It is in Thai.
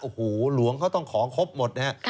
โอ้โหหลวงเขาต้องขอครบหมดนะครับ